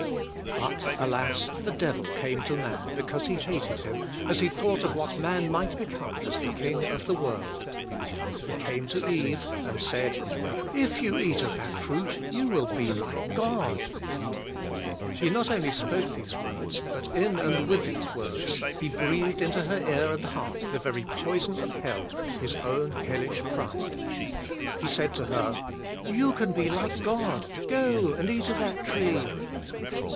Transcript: But alas, the Devil came to man be cause he hated him as he thought of what man might become as the king of the world. He came to Kve and said, "If you eat of that fruit you will 48 THE SPIRITUAL LIFE. be like God." He not only spoke these words, but "in and with these words he breathed into her ear and heart the very poison of hell, . his own hellish pride. He said to her, "You can be like God, go and eat of that tree."